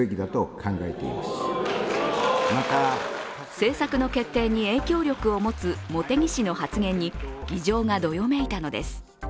政策の決定に影響力を持つ茂木氏の発言に、議場がどよめいたのです。